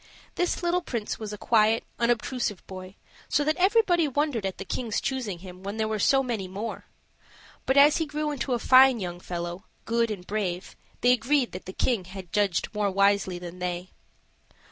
This little prince was a quiet, unobtrusive boy, so that everybody wondered at the King's choosing him when there were so many more; but as he grew into a fine young fellow, good and brave, they agreed that the King judged more wisely than they.